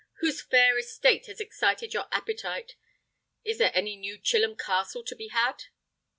Whose fair estate has excited your appetite? Is there any new Chilham Castle to be had?"